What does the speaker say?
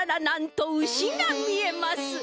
なんとうしがみえます。